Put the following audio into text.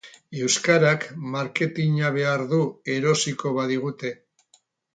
Euskarak marketina behar du erosiko badigute.